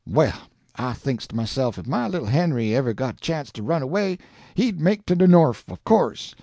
"Well, I thinks to myse'f, if my little Henry ever got a chance to run away, he'd make to de Norf, o' course.